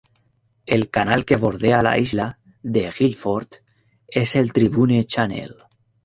El canal que bordea la isla de Gilford es el Tribune Channel.